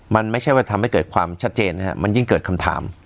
มันไม่ใช่ว่าทำให้เกิดความชัดเจนนะครับมันยิ่งเกิดคำถาม